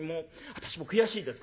私も悔しいですからね